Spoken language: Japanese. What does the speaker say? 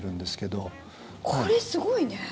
これすごいね。